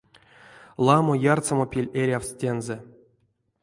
Ламо ярсамопель эрявсь тензэ.